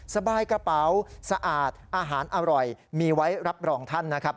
สบายกระเป๋าสะอาดอาหารอร่อยมีไว้รับรองท่านนะครับ